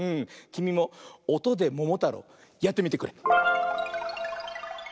きみも「おとでももたろう」やってみてくれ。